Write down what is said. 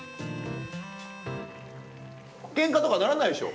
けんかとかならないでしょ？